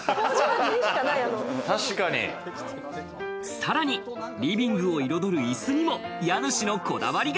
さらにリビングを彩る椅子にも家主のこだわりが。